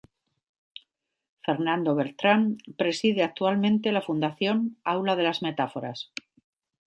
Fernando Beltrán preside actualmente la Fundación Aula de las Metáforas.